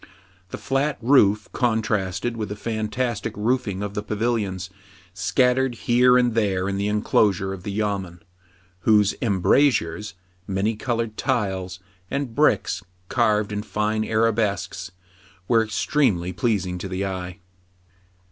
The flat roof contrasted with the fantastic roofing of the pavilions, scattered here and there in the enclosure of the yamen, whose embrasures, many colored tiles, and bricks carved in fine arabesques, were extremely pleasing to the eye.